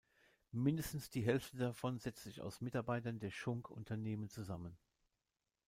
Mindestens die Hälfte davon setzt sich aus Mitarbeitern der Schunk-Unternehmen zusammen.